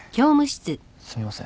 すみません。